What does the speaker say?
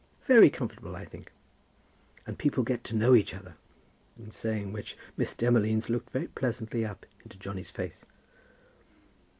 "Very comfortable, I think." "And people get to know each other;" in saying which Miss Demolines looked very pleasantly up into Johnny's face.